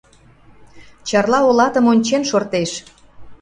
Чарла олатым ончен шортеш.